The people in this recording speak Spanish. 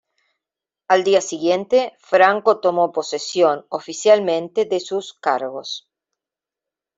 Al día siguiente, Franco tomó posesión oficialmente de sus cargos.